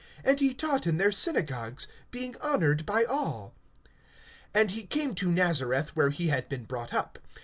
(15)And he taught in their synagogues, being honored by all. (16)And he came to Nazareth, where he had been brought up.